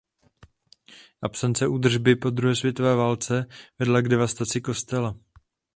Absence údržby po druhé světové válce vedla k devastaci kostela.